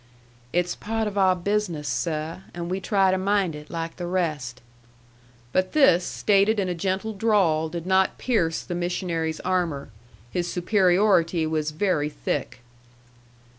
"It's part of our business, seh, and we try to mind it like the rest." But this, stated in a gentle drawl, did not pierce the missionary's armor; his superiority was very thick.